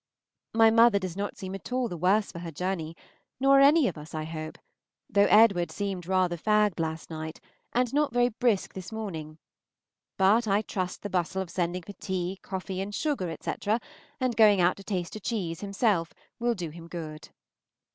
My mother does not seem at all the worse for her journey, nor are any of us, I hope, though Edward seemed rather fagged last night, and not very brisk this morning; but I trust the bustle of sending for tea, coffee, and sugar, etc., and going out to taste a cheese himself, will do him good.